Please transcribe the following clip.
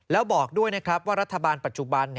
แล้วบอกด้วยนะครับว่ารัฐบาลปัจจุบัน